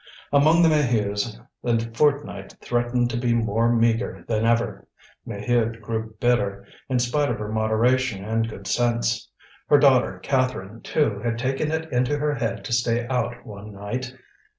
Among the Maheus the fortnight threatened to be more meagre than ever. Maheude grew bitter, in spite of her moderation and good sense. Her daughter Catherine, too, had taken it into her head to stay out one night.